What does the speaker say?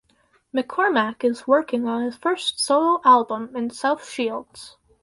McCormack is working on his first solo album in South Shields.